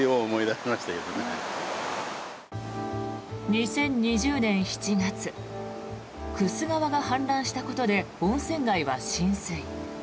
２０２０年７月玖珠川が氾濫したことで温泉街は浸水。